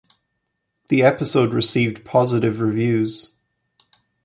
The episode received positive reviews.